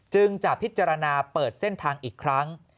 จะพิจารณาเปิดเส้นทางอีกครั้ง